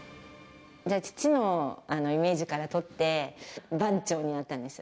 父のイメージから取って、番長になったんです。